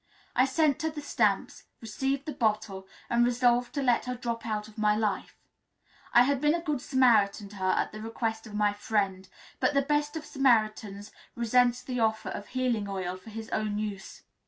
I sent her the stamps, received the bottle, and resolved to let her drop out of my life; I had been a good Samaritan to her at the request of my friend, but the best of Samaritans resents the offer of healing oil for his own use.